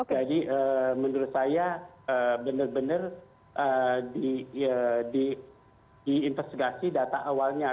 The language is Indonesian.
jadi menurut saya benar benar diinterseksi data awalnya